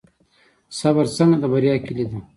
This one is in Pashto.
صبر څنګه د بریا کیلي ده؟